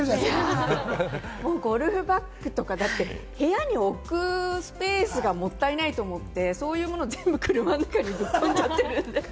ゴルフバッグとか部屋に置くスペースがもったいないと思って、そういうものを車の中に入れ込んじゃってるので。